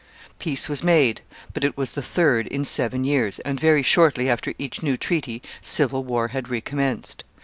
Peace was made; but it was the third in seven years, and very shortly after each new treaty civil war had recommenced.